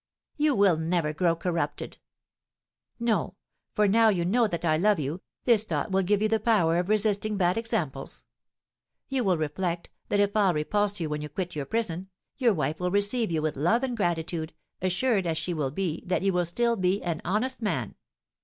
"You will never grow corrupted. No; for now you know that I love you, this thought will give you the power of resisting bad examples. You will reflect that if all repulse you when you quit your prison, your wife will receive you with love and gratitude, assured, as she will be, that you will still be an honest man.